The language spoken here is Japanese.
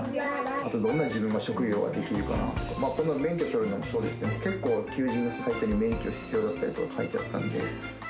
あと、どんな自分が職業できるかなと、この免許取るのもそうですけど、結構、求人サイトに免許必要だったりとか書いてあったんで。